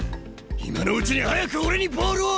今のうちに早く俺にボールを！